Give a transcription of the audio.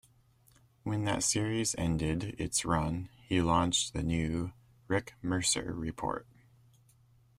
When that series ended its run, he launched the new "Rick Mercer Report".